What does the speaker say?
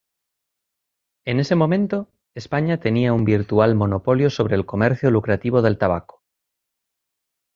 En ese momento, España tenía un virtual monopolio sobre el comercio lucrativo del tabaco.